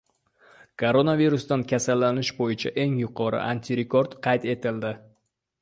Koronavirusdan kasallanish bo‘yicha eng yuqori antirekord qayd etildi